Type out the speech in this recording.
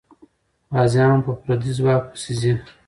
غازيان په پردي ځواک پسې ځي.